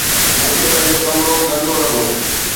مون کي پنهنجو ڪمرو گندو لڳو